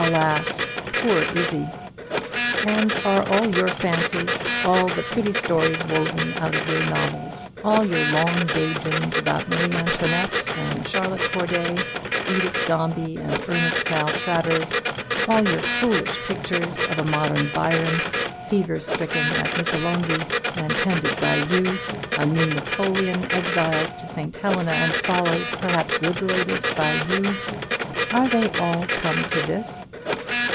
Alas, poor Izzie! and are all your fancies, all the pretty stories woven out of your novels, all your long day dreams about Marie Antoinette and Charlotte Corday, Edith Dombey and Ernest Maltravers, all your foolish pictures of a modern Byron, fever stricken at Missolonghi, and tended by you; a new Napoleon, exiled to St. Helena, and followed, perhaps liberated, by you, are they all come to this?